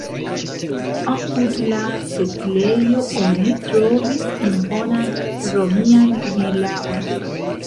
Apud la setlejo oni trovis imponan romian vilaon.